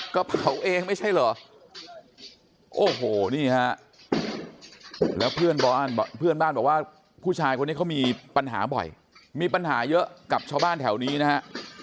ก็เผาเองไม่ใช่เหรอโอ้โหนี่ฮะแล้วเพื่อนบ้านบอกว่าผู้ชายคนนี้เขามีปัญหาบ่อยมีปัญหาเยอะกับชาวบ้านแถวนี้นะฮะ